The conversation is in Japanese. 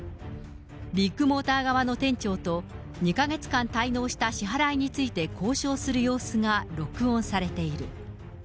ビッグモーター側の店長と、２か月間滞納した支払いについて交渉する様子が録音されている。